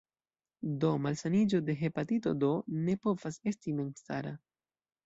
Do, malsaniĝo de hepatito D ne povas esti memstara.